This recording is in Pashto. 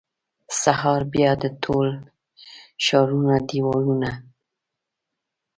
سهار به بیا د ټول ښارونو دیوالونه،